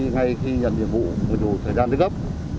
ngay khi nhận nhiệm vụ mùa thu thời gian rất gấp